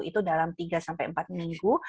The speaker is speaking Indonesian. itu dalam tiga sampai empat minggu